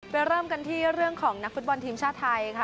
เริ่มกันที่เรื่องของนักฟุตบอลทีมชาติไทยค่ะ